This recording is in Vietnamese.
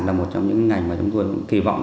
là một trong những ngành mà chúng tôi kỳ vọng